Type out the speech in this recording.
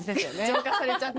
浄化されちゃって。